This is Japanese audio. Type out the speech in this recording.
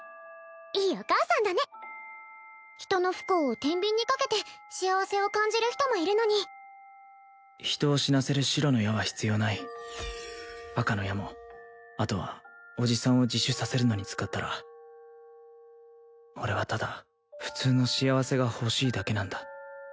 いいお母さんだね人の不幸をてんびんにかけて幸せを感じる人もいるのに人を死なせる白の矢は必要ない赤の矢もあとは叔父さんを自首させるのに使ったら俺はただ普通の幸せがほしいだけなんだ